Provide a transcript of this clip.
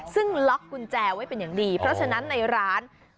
ซึ่งล็อกกุญแจไว้เป็นอย่างดีเพราะฉะนั้นในร้าน